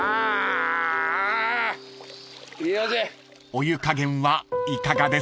［お湯加減はいかがですか？］